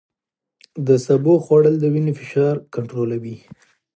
د سبو خوړل د وینې فشار کنټرولوي.